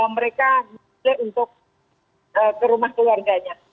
mereka memilih untuk ke rumah keluarganya